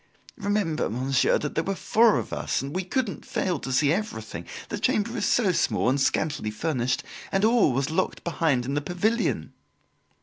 Remember, monsieur, that there were four of us and we couldn't fail to see everything the chamber is so small and scantily furnished, and all was locked behind in the pavilion."